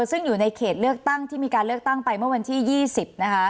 ซึ่งอยู่ในเขตเลือกตั้งที่มีการเลือกตั้งไปเมื่อวันที่๒๐นะคะ